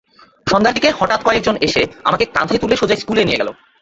সন্ধ্যার দিকে হঠাৎ কয়েকজন এসে আমাকে কাঁধে তুলে সোজা স্কুলে নিয়ে গেল।